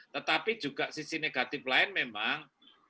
tetapi juga sisi negatif lain memang